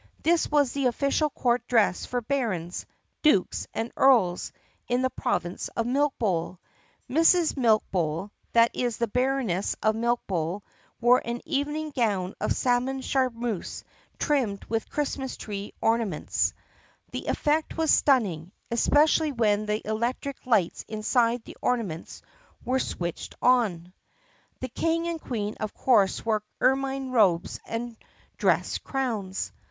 This was the official court dress for barons, dukes, and earls in the Province of Milkbowl. Mrs. Milk bowl — that is, the Baroness of Milkbowl — wore an evening gown of salmon charmeuse trimmed with Christmas tree orna ments. The effect was stunning, especially when the electric lights inside the ornaments were switched on. The King and Queen of course wore ermine robes and dress crowns.